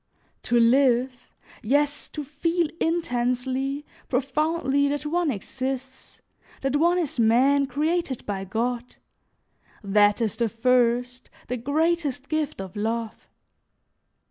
To live, yes, to feel intensely, profoundly, that one exists, that one is man, created by God, that is the first, the greatest gift of love.